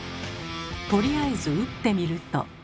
とりあえず打ってみると。